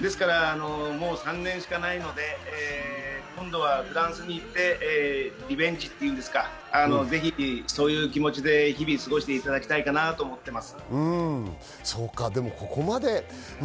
ですからあと３年しかないので、今度はフランスに行って、リベンジというんですか、ぜひそういう気持ちで日々、過ごしていただきたいかなと思います。